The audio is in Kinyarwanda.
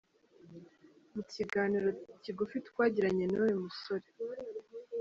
Mu kiganiro kigufi twagiranye n’uyu musore.